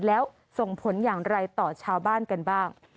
แล้วส่งผลอย่างไรต่อชาวบ้านกันบ้าง